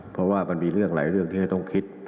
เพราะว่ามีหลายเรื่องให้ตรงคิด